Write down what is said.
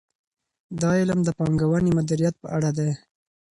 دا علم د پانګونې مدیریت په اړه دی.